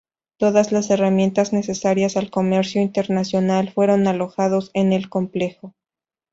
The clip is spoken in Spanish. Todas las herramientas necesarias al comercio internacional fueron alojados en el complejo.